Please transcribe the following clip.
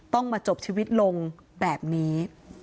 ต้องมาจบชีวิตลงแบบนี้